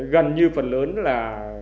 gần như phần lớn là